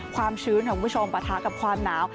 ความชื้นของคุณผู้ชมปะทะกับความหนาว